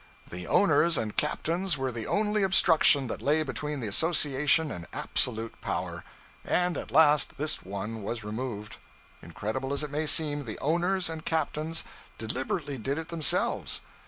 The owners and captains were the only obstruction that lay between the association and absolute power; and at last this one was removed. Incredible as it may seem, the owners and captains deliberately did it themselves.